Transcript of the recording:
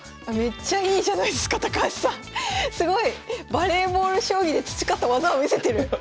バレーボール将棋で培った技を見せてる！